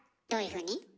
どういうふうに？